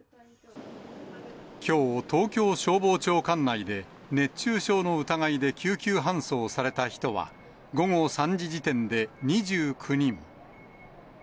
きょう、東京消防庁管内で熱中症の疑いで救急搬送された人は、午後３時時点で２９人。